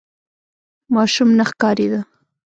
ماشوم نه ښکارېده.